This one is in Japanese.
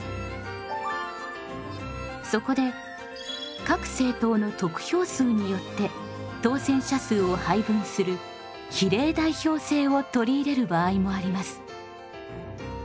そこで各政党の得票数によって当選者数を配分する比例代表制を取り入れる場合もあります。